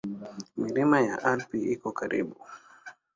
Milima ya Alpi iko karibu.